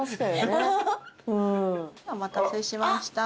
お待たせしました。